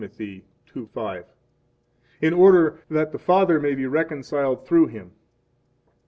2:5, in order that the Father may be reconciled through Him.